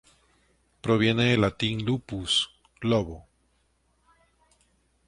Proviene del latín "lupus", lobo.